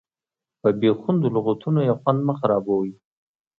په بې خوندو لغتونو یې خوند مه خرابوئ.